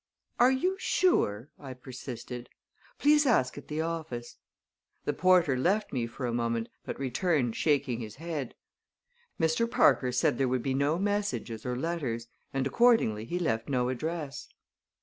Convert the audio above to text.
"Are you sure?" I persisted. "Please ask at the office." The porter left me for a moment, but returned shaking his head. "Mr. Parker said there would be no messages or letters, and accordingly he left no address."